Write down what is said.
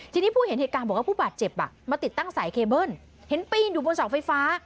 ทีนี้ผู้เห็นเหตุการณ์บอกว่าผู้บาดเจ็บมาติดตั้งสายเคเบิ้ลเห็นปีนอยู่บนเสาไฟฟ้า